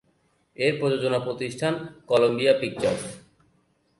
এর প্রযোজনা প্রতিষ্ঠান কলাম্বিয়া পিকচার্স।